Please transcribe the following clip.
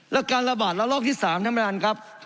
และการระบาดระลอกที่๓ท่านประธานครับ